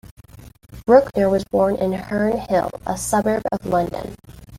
Brookner was born in Herne Hill, a suburb of London.